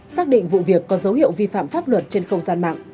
xác định vụ việc có dấu hiệu vi phạm pháp luật trên không gian mạng